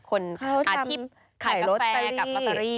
คนอาชีพขายโรตเตอรี่